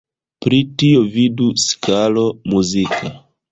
Pri tio vidu skalo muzika.